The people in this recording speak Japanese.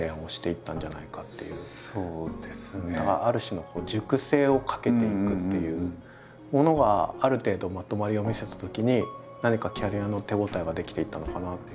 ある種の熟成をかけていくというものがある程度まとまりを見せたときに何かキャリアの手応えが出来ていったのかな。